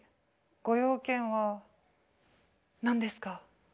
ご用件は何ですか？